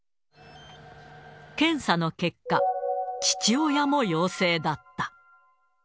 検査の結果、父親も陽性だった。